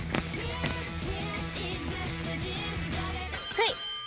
はい！